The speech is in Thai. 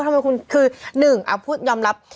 ทำไมคุณคือ๑อาพุทธยอมรับ